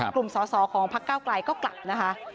กลุ่มสอสอของพักเก้าไกลก็กลับนะคะ